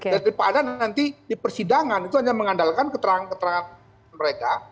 daripada nanti di persidangan itu hanya mengandalkan keterangan keterangan mereka